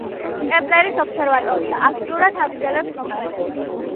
კეპლერის ობსერვატორია აქტიურად აგრძელებს მოქმედებას.